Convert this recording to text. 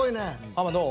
ハマどう？